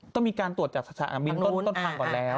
ต้องมีการตรวจจากสนามบินต้นทางก่อนแล้ว